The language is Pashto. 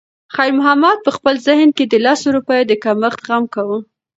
خیر محمد په خپل ذهن کې د لسو روپیو د کمښت غم کاوه.